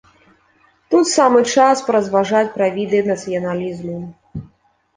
Тут самы час паразважаць пра віды нацыяналізму.